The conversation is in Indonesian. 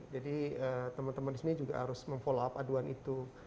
jadi teman teman di sini juga harus memfollow up aduan itu